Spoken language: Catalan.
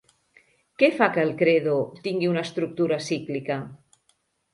Què fa que El Credo tingui una estructura cíclica?